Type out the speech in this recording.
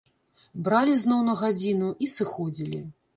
Бралі зноў на гадзіну і сыходзілі.